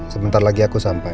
sebentar lagi aku sampai